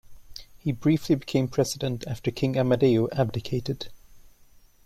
He briefly became President after King Amadeo abdicated.